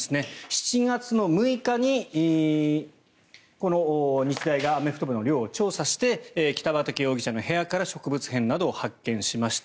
７月６日に日大がアメフト部の寮を調査して北畠容疑者の部屋から植物片などを発見しました。